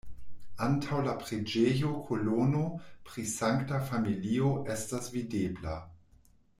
Antaŭ la preĝejo kolono pri Sankta Familio estas videbla.